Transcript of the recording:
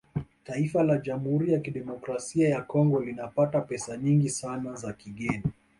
Taifa la Jamhuri ya Kidemokrasia ya Congo linapata pesa nyingi sana za kigeni